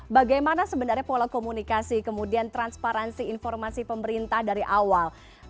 bagaimana sebenarnya pola komunikasi kemudian transparansi informasi pemerintah dari awal